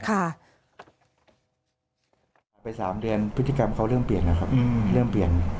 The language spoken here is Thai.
ออกออกไป๓เดือนพฤติกรรมเขาเริ่มเปลี่ยน